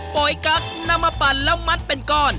ยกั๊กนำมาปั่นแล้วมัดเป็นก้อน